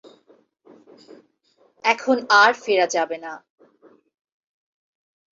এখন আর ফেরা যাবে না।